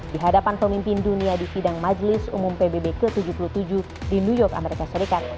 di hadapan pemimpin dunia di sidang majelis umum pbb ke tujuh puluh tujuh di new york amerika serikat